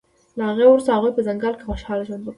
له هغې وروسته هغوی په ځنګل کې خوشحاله ژوند وکړ